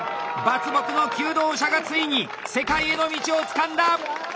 伐木の求道者がついに世界への道をつかんだ！